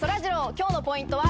今日のポイントは？